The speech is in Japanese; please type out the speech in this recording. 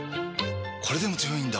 これでも強いんだ！